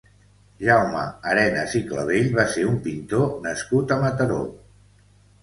Jaume Arenas i Clavell va ser un pintor nascut a Mataró.